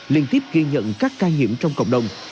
liên tiếp ghi nhận các ca nhiễm trong cộng đồng